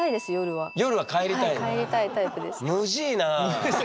はい帰りたいタイプです。